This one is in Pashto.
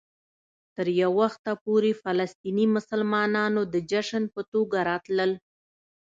تر یو وخته پورې فلسطيني مسلمانانو د جشن په توګه راتلل.